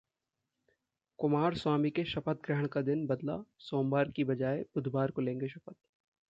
कुमारस्वामी के शपथ ग्रहण का दिन बदला, सोमवार की बजाय बुधवार को लेंगे शपथ